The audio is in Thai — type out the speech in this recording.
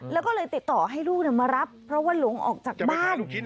แล้วก็เลยติดต่อให้ลูกมารับเพราะว่าหลงออกจากบ้าน